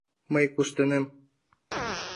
Мый куштынем.